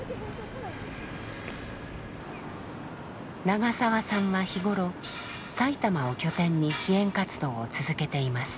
長澤さんは日頃埼玉を拠点に支援活動を続けています。